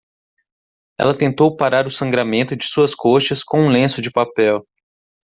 Ela tentou parar o sangramento de suas coxas com um lenço de papel.